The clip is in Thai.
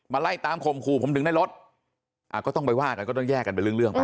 มาไล่ตามคมครูผมถึงได้รถอ่าก็ต้องไปว่ากันก็ต้องแยกกันเป็นเรื่องเรื่องไป